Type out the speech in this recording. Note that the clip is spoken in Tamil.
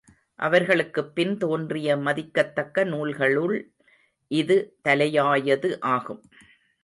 அவர்களுக்குப் பின் தோன்றிய மதிக்கத்தக்க நூல்களுள் இது தலையாயது ஆகும்.